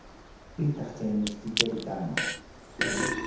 Pitaq chay mistichari kanman.